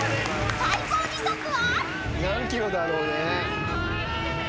［最高時速は］